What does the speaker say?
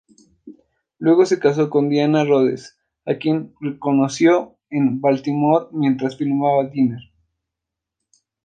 Luego se casó con Dianna Rhodes a quien conoció en Baltimore mientras filmaba "Diner".